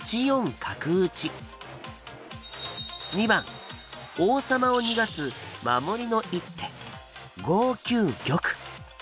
２番王様を逃がす守りの一手５九玉。